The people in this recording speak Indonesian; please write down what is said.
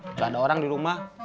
kalau ada orang di rumah